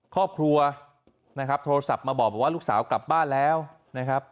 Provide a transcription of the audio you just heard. ครอบครัวนะครับโทรศัพท์มาบอกว่าลูกสาวกลับบ้านแล้วนะครับ